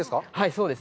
そうです。